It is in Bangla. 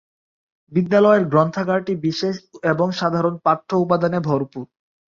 বিদ্যালয়ের গ্রন্থাগারটি বিশেষ এবং সাধারণ পাঠ্য উপাদানে ভরপুর।